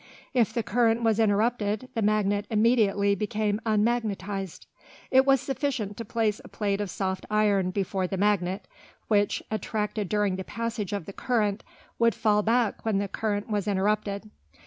If the current was interrupted the magnet immediately became unmagnetised. It was sufficient to place a plate of soft iron before the magnet, which, attracted during the passage of the current, would fall back when the current was interrupted.